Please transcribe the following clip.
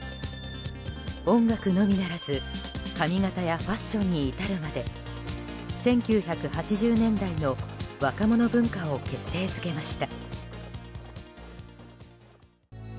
音楽のみならず髪形やファッションに至るまで１９８０年代の若者文化を決定づけました。